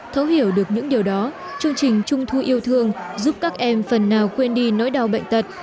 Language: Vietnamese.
thấu hiểu được những điều đó chương trình trung thu yêu thương giúp các em phần nào quên đi nỗi đau bệnh tật